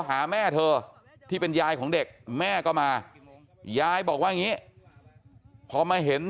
หาแม่เธอที่เป็นยายของเด็กแม่ก็มายายบอกว่าอย่างนี้พอมาเห็น